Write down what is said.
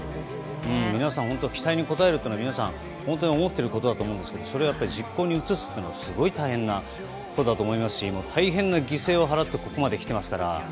皆さん期待に応えるとそれは本当に思っていることだと思うんですけどそれを実行に移すのはすごい大変なことだと思いますし大変な犠牲を払ってここまできてますから。